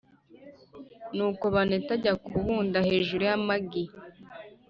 nuko baneti ajya kubunda hejuru y’amagi.